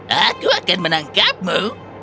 hahaha aku akan menangkapmu